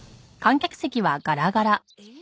えっ？